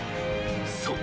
［そう。